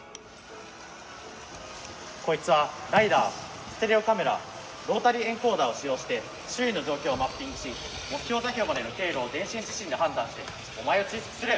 こいつはライダーステレオカメラロータリーエンコーダを使用して周囲の状況をマッピングし目標座標までの経路を電心自身で判断してお前を追跡する！